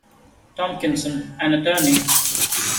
Tomkinson, an attorney.